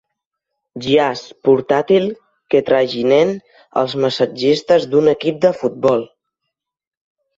Jaç portàtil que traginen els massatgistes d'un equip de futbol.